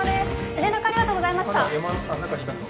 連絡ありがとうございました